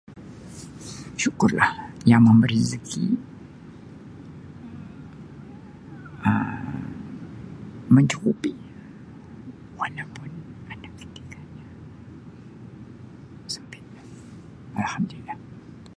Syukurlah yang memberi-rezeki Um mencukupi walaupun ada ketikanya sempit Alhamdulillah.